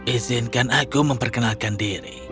izinkan aku memperkenalkan diri